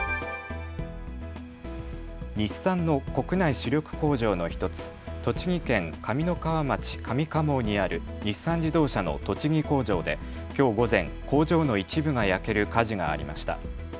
日産の国内主力工場の１つ、栃木県上三川町上蒲生にある日産自動車の栃木工場できょう午前、工場の一部が焼ける火事がありました。